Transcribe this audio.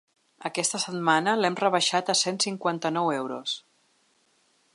Aquesta setmana l'hem rebaixat a cent cinquanta-nou euros.